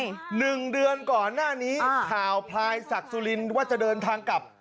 หนึ่งเดือนก่อนหน้านี้ข่าวพลายศักดิ์สุรินทร์ว่าจะเดินทางกลับ